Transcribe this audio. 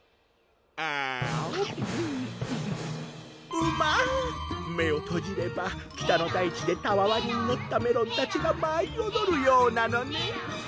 うまっ目をとじれば北の大地でたわわに実ったメロンたちがまいおどるようなのねん